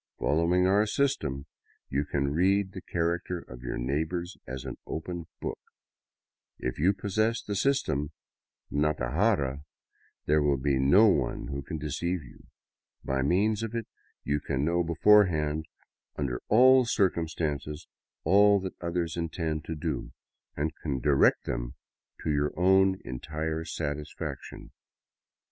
Followiru our system, you can read the character of your neighbors as an open book; \i yna possess the system " Natajara," there will be no one who can deceive you: by m^'^ns of it you can know beforehand under all circumstances all that othetNi <nte»(i to do, and can direct them to your own entire satisfaction.